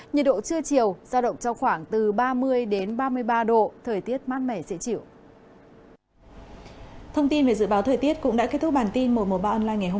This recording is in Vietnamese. nhiệt độ trưa chiều giao động trong khoảng từ ba mươi ba mươi ba độ thời tiết mát mẻ dễ chịu